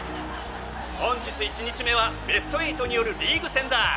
本日１日目はベスト８によるリーグ戦だ。